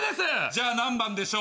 じゃあ何番でしょう？